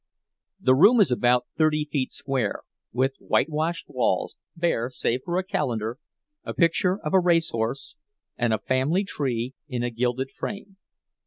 The room is about thirty feet square, with whitewashed walls, bare save for a calendar, a picture of a race horse, and a family tree in a gilded frame.